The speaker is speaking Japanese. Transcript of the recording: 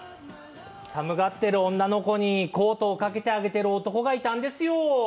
寒がってる女の子にコートを掛けてあげてる男がいたんですよ。